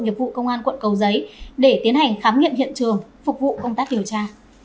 nghiệp vụ công an quận cầu giấy để tiến hành khám nghiệm hiện trường phục vụ công tác điều tra